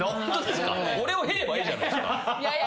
俺を経ればいいじゃないですか。